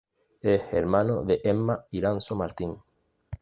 Es hermano de Enma Iranzo Martín.